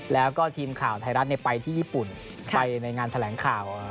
แล้วก็ทีมข่าวไทยรัฐไปที่ญี่ปุ่นไปในงานแถลงข่าว